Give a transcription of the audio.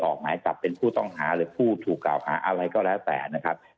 ออกหมายจับเป็นผู้ต้องหาหรือผู้ถูกกล่าวหาอะไรก็แล้วแต่นะครับ